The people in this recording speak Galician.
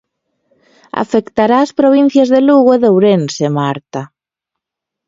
Afectará as provincias de Lugo e de Ourense, Marta...